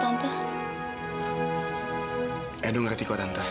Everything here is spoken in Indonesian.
tante edo mengerti